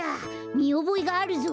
みおぼえがあるぞ！